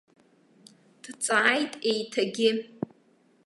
Дҵааит еиҭагьы.